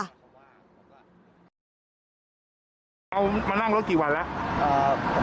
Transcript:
เธอมานั่งแล้วกี่วันแล้ว